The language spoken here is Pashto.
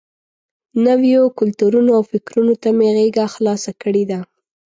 نویو کلتورونو او فکرونو ته مې غېږه خلاصه کړې ده.